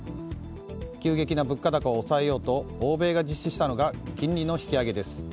急激な物価高を抑えようと欧米が実施したのが金利の引き上げです。